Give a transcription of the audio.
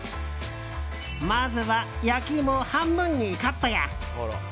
まずは焼き芋を半分にカットや。